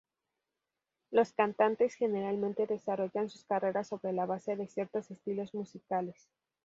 Los cantantes generalmente desarrollan sus carreras sobre la base de ciertos estilos musicales.